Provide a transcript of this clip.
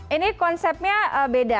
ini konsepnya beda